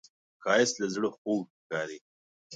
ښایست له زړه خوږ ښکاري